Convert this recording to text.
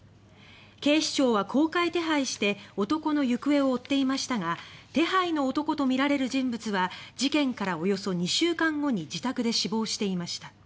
警視庁は公開手配して男の行方を追っていましたが手配の男とみられる人物は事件からおよそ２週間後に自宅で死亡していました。